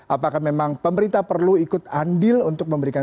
apakah memang pemerintah perlu ikut andil untuk memberikan